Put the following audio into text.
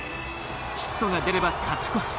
ヒットが出れば勝ち越し。